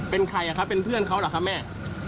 เป็นใครเป็นเพื่อนเขาเหรอค่ะแม่